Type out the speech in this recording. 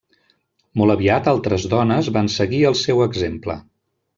Molt aviat altres dones van seguir el seu exemple.